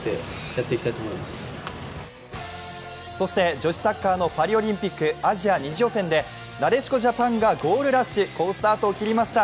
女子サッカーのパリオリンピックアジア２次予選で、なでしこジャパンがゴールラッシュ、好スタートを切りました。